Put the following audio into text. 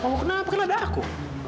mau kenapa kenapa ada aku